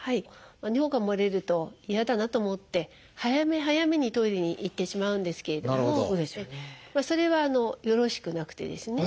尿がもれると嫌だなと思って早め早めにトイレに行ってしまうんですけれどもそれはよろしくなくてですね